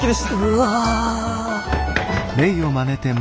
うわ！